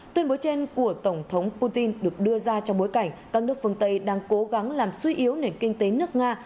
tuyên bố trên của tổng thống putin được đưa ra trong bối cảnh các nước phương tây đang cố gắng làm suy yếu nền kinh tế nước nga